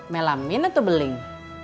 melamin atau beling